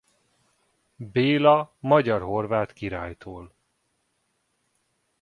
Béla magyar-horvát királytól.